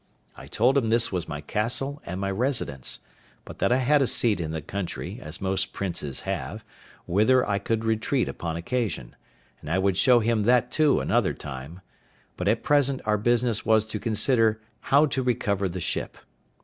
I told him this was my castle and my residence, but that I had a seat in the country, as most princes have, whither I could retreat upon occasion, and I would show him that too another time; but at present our business was to consider how to recover the ship.